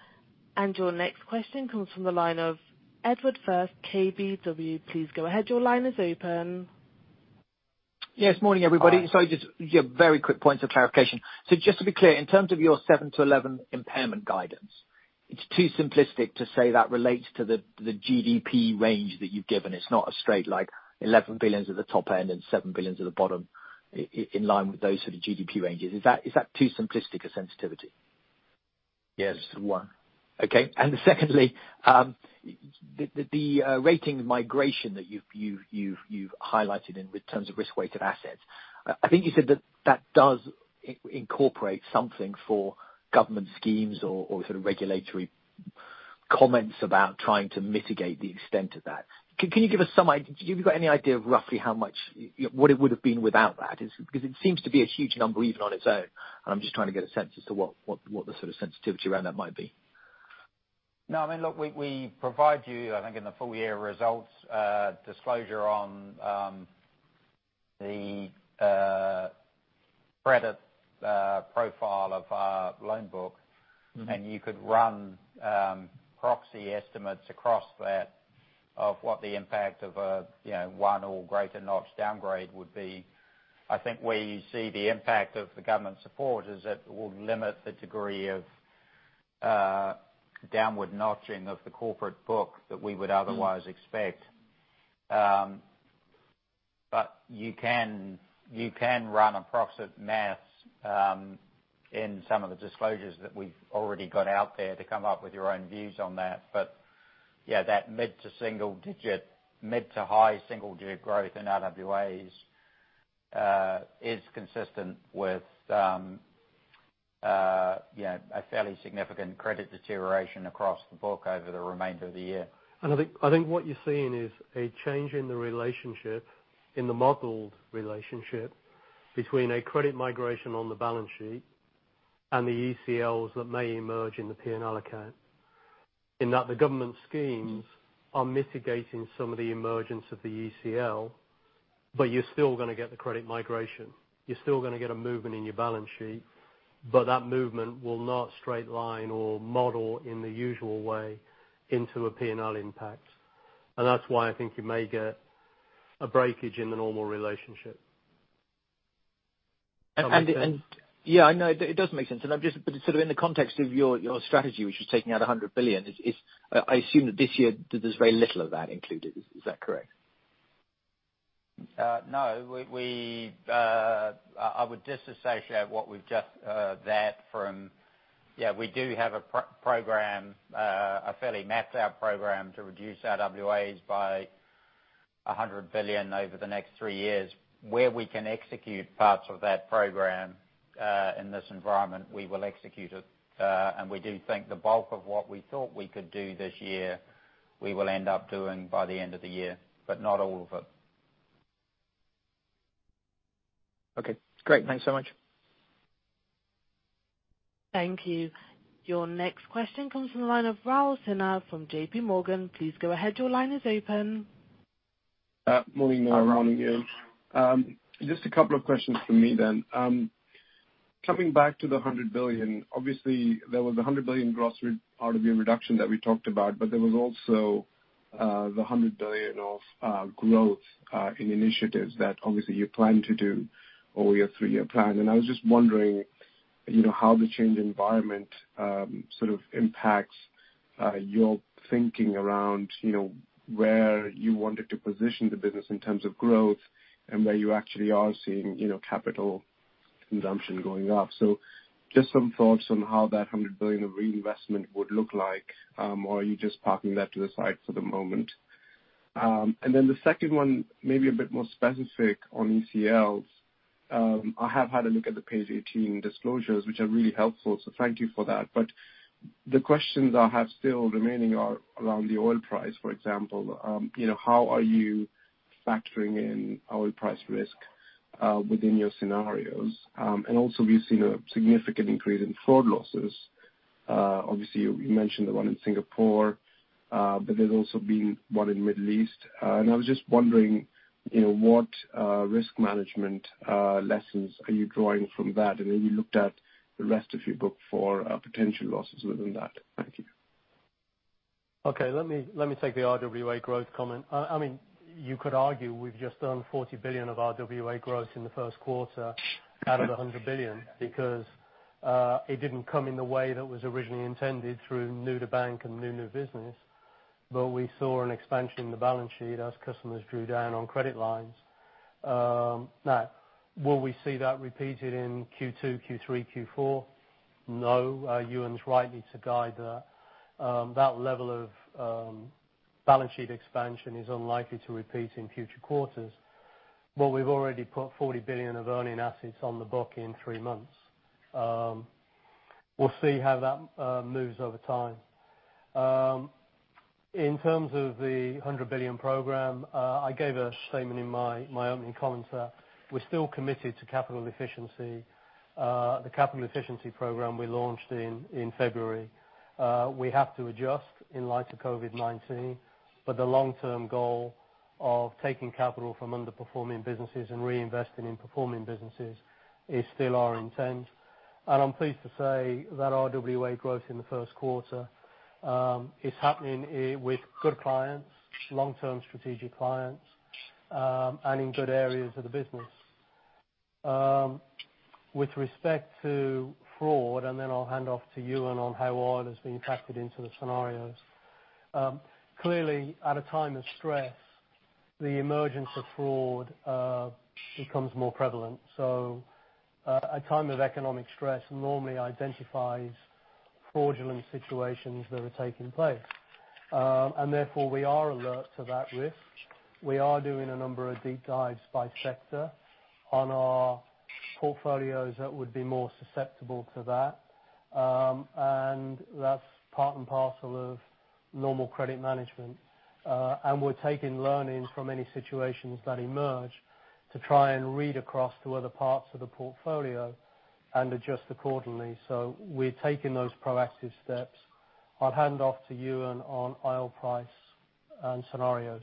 Your next question comes from the line of Edward Firth, KBW. Please go ahead. Your line is open. Yes. Morning, everybody. Sorry, just very quick points of clarification. Just to be clear, in terms of your $7 billion-$11 billion impairment guidance, it's too simplistic to say that relates to the GDP range that you've given. It's not a straight line, $11 billion at the top end and $7 billion at the bottom in line with those sort of GDP ranges. Is that too simplistic a sensitivity? Yes. One. Okay. Secondly, the rating migration that you've highlighted in terms of risk-weighted assets, I think you said that that does incorporate something for government schemes or sort of regulatory comments about trying to mitigate the extent of that. Have you got any idea of roughly how much it would've been without that? Because it seems to be a huge number even on its own, and I'm just trying to get a sense as to what the sort of sensitivity around that might be. No, look, we provide you, I think, in the full-year results disclosure on the credit profile of our loan book. You could run proxy estimates across that of what the impact of a one or greater notch downgrade would be. I think where you see the impact of the government support is it will limit the degree of downward notching of the corporate book that we would otherwise expect. You can run approximate maths in some of the disclosures that we've already got out there to come up with your own views on that. Yeah, that mid to high single-digit growth in RWAs is consistent with a fairly significant credit deterioration across the book over the remainder of the year. I think what you're seeing is a change in the modeled relationship between a credit migration on the balance sheet and the ECLs that may emerge in the P&L account, in that the government schemes are mitigating some of the emergence of the ECL. You're still going to get the credit migration. You're still going to get a movement in your balance sheet, but that movement will not straight line or model in the usual way into a P&L impact. That's why I think you may get a breakage in the normal relationship. Yeah, I know. It does make sense. Sort of in the context of your strategy, which is taking out $100 billion, I assume that this year there's very little of that included. Is that correct? No. I would disassociate that from Yeah, we do have a fairly mapped out program to reduce our RWAs by $100 billion over the next three years. Where we can execute parts of that program, in this environment, we will execute it. We do think the bulk of what we thought we could do this year, we will end up doing by the end of the year, but not all of it. Okay, great. Thanks so much. Thank you. Your next question comes from the line of Rahul Sinha from JPMorgan. Please go ahead. Your line is open. Morning, Rahul here. Just a couple of questions from me. Coming back to the $100 billion. Obviously, there was $100 billion gross RWA reduction that we talked about. There was also the $100 billion of growth in initiatives that obviously you plan to do over your three-year plan. I was just wondering how the change in environment sort of impacts your thinking around where you wanted to position the business in terms of growth and where you actually are seeing capital consumption going up. Just some thoughts on how that $100 billion of reinvestment would look like. Are you just parking that to the side for the moment? The second one may be a bit more specific on ECLs. I have had a look at the page 18 disclosures, which are really helpful. Thank you for that. The questions I have still remaining are around the oil price. For example, how are you factoring in oil price risk within your scenarios? Also, we've seen a significant increase in fraud losses. Obviously, you mentioned the one in Singapore. There's also been one in Middle East. I was just wondering what risk management lessons are you drawing from that? Have you looked at the rest of your book for potential losses within that? Thank you. Okay. Let me take the RWA growth comment. You could argue we've just done $40 billion of RWA growth in the first quarter out of the $100 billion because it didn't come in the way that was originally intended through new to bank and new to business. We saw an expansion in the balance sheet as customers drew down on credit lines. Will we see that repeated in Q2, Q3, Q4? No. Ewen's right, need to guide that. That level of balance sheet expansion is unlikely to repeat in future quarters. We've already put $40 billion of earning assets on the book in three months. We'll see how that moves over time. In terms of the $100 billion program, I gave a statement in my opening comments that we're still committed to capital efficiency. The capital efficiency program we launched in February. We have to adjust in light of COVID-19, the long-term goal of taking capital from underperforming businesses and reinvesting in performing businesses is still our intent. I'm pleased to say that our RWA growth in the first quarter is happening with good clients, long-term strategic clients, and in good areas of the business. With respect to fraud, then I'll hand off to Ewen on how oil has been factored into the scenarios. Clearly, at a time of stress, the emergence of fraud becomes more prevalent. A time of economic stress normally identifies fraudulent situations that are taking place. Therefore, we are alert to that risk. We are doing a number of deep dives by sector on our portfolios that would be more susceptible to that. That's part and parcel of normal credit management. We're taking learnings from any situations that emerge to try and read across to other parts of the portfolio and adjust accordingly. We're taking those proactive steps. I'll hand off to Ewen on oil price and scenarios.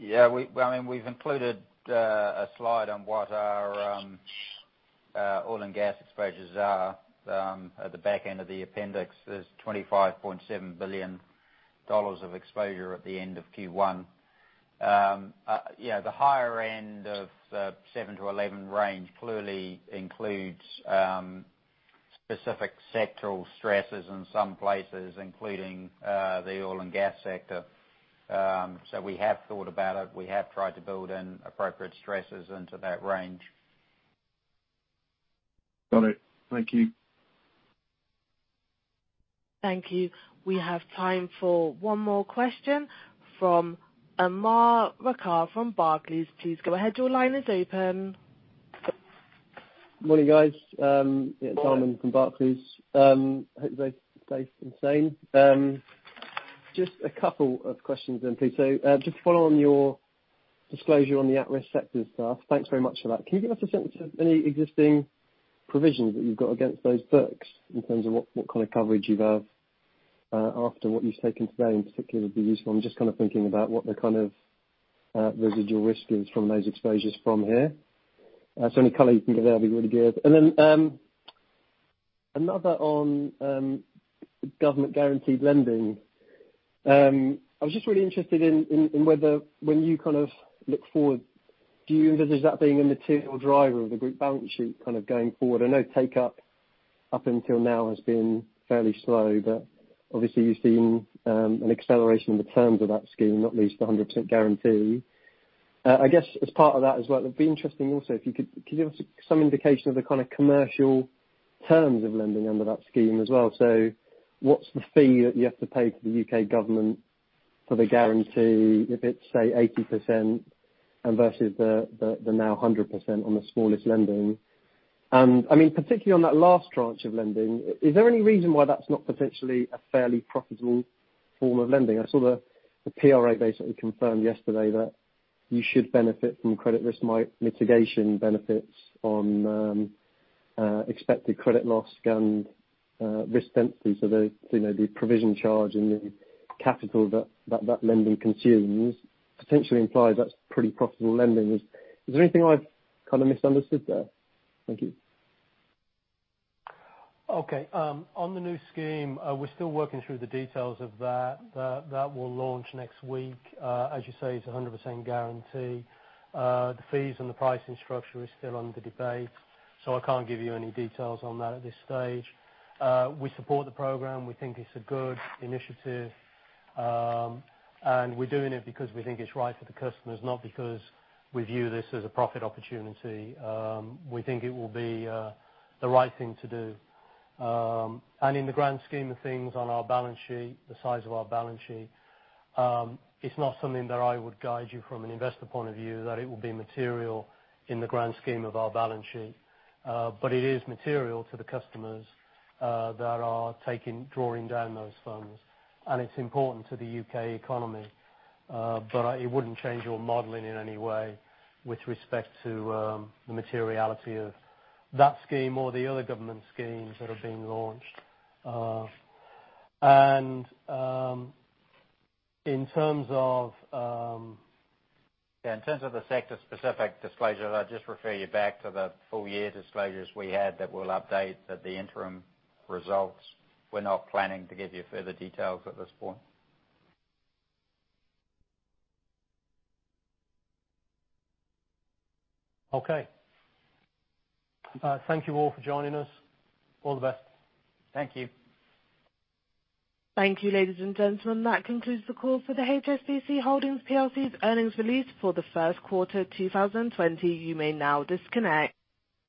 We've included a slide on what our oil and gas exposures are at the back end of the appendix. There's $25.7 billion of exposure at the end of Q1. The higher end of $7 billion-$11 billion range clearly includes specific sectoral stresses in some places, including the oil and gas sector. We have thought about it. We have tried to build in appropriate stresses into that range. Got it. Thank you. Thank you. We have time for one more question from Aman Rakkar from Barclays. Please go ahead. Your line is open. Morning, guys. It's Aman from Barclays. Hope you both stay safe and sane. Just a couple of questions then, please. Just to follow on your disclosure on the at-risk sector stuff. Thanks very much for that. Can you give us a sense of any existing provisions that you've got against those books in terms of what kind of coverage you have after what you've taken today, and it particularly would be useful. I'm just kind of thinking about what the kind of residual risk is from those exposures from here. Any color you can give there would be really good. Then another on government guaranteed lending. I was just really interested in whether, when you look forward, do you envisage that being a material driver of the group balance sheet going forward? I know take-up up until now has been fairly slow, but obviously you've seen an acceleration in the terms of that scheme, not least the 100% guarantee. I guess as part of that as well, it'd be interesting also if you could give us some indication of the kind of commercial terms of lending under that scheme as well. What's the fee that you have to pay to the U.K. government for the guarantee if it's, say, 80% and versus the now 100% on the smallest lending? Particularly on that last tranche of lending, is there any reason why that's not potentially a fairly profitable form of lending? I saw the PRA basically confirmed yesterday that you should benefit from credit risk mitigation benefits on expected credit loss and risk density. The provision charge and the capital that that lending consumes potentially implies that's pretty profitable lending. Is there anything I've kind of misunderstood there? Thank you. Okay. On the new scheme, we're still working through the details of that. That will launch next week. As you say, it's 100% guarantee. The fees and the pricing structure is still under debate. I can't give you any details on that at this stage. We support the program. We think it's a good initiative. We're doing it because we think it's right for the customers, not because we view this as a profit opportunity. We think it will be the right thing to do. In the grand scheme of things on our balance sheet, the size of our balance sheet, it's not something that I would guide you from an investor point of view, that it will be material in the grand scheme of our balance sheet. It is material to the customers that are drawing down those funds. It's important to the U.K. economy. It wouldn't change your modeling in any way with respect to the materiality of that scheme or the other government schemes that are being launched. In terms of the sector-specific disclosure, I'd just refer you back to the full-year disclosures we had that we'll update at the interim results. We're not planning to give you further details at this point. Okay. Thank you all for joining us. All the best. Thank you. Thank you, ladies and gentlemen. That concludes the call for the HSBC Holdings plc's earnings release for the first quarter of 2020. You may now disconnect.